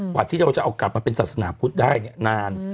หวัดที่เจ้าจะเอากลับมาเป็นศาสนาพุทธได้นาน